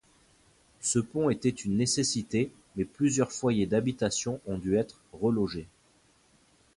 Ce pont était une nécessité mais plusieurs foyers d'habitation ont dû être relogés.